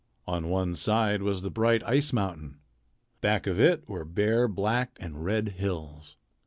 On one side was the bright ice mountain. Back of it were bare black and red hills.